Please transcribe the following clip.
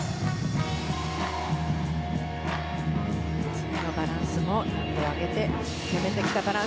次のバランスも難易度を上げて攻めてきた。